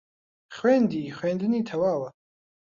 خوێندی خوێندنی تەواوە